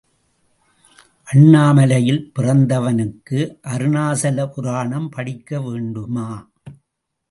அண்ணாமலையில் பிறந்தவனுக்கு அருணாசல புராணம் படிக்க வேண்டுமா?